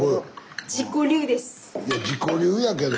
いや自己流やけど。